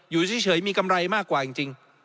อยู่เฉยมีกำไรมากกว่าจริง